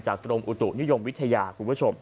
กรมอุตุนิยมวิทยาคุณผู้ชม